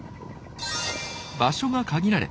場所が限られ